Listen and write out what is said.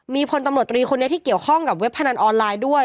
มีพลตำรวจตรีคนนี้ที่เกี่ยวข้องกับเว็บพนันออนไลน์ด้วย